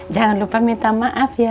jangan lupa minta maaf ya